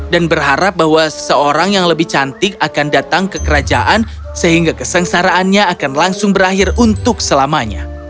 dan berharap bahwa seseorang yang lebih cantik akan datang ke kerajaan sehingga kesengsaraannya akan langsung berakhir untuk selamanya